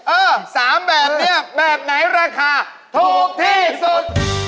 เออ๓แบบนี้แบบไหนราคาถูกที่สุด